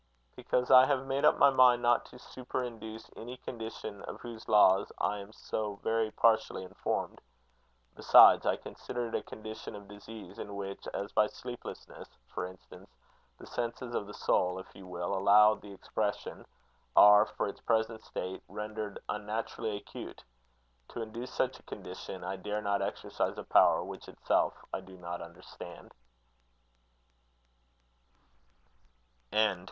"Because I have made up my mind not to superinduce any condition of whose laws I am so very partially informed. Besides, I consider it a condition of disease in which, as by sleeplessness for instance, the senses of the soul, if you will allow the expression, are, for its present state, rendered unnaturally acute. To induce such a condition, I dare not exercise a power which itself I do not understand."